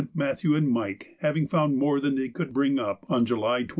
Matthew, and Mike having found more than they could bring up on July 26.